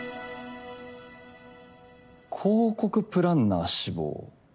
広告プランナー志望？